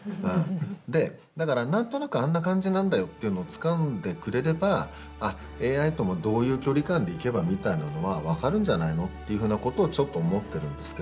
でだから何となくあんな感じなんだよというのをつかんでくれればあっＡＩともどういう距離感でいけばみたいなのは分かるんじゃないのっていうふうなことをちょっと思ってるんですけれども。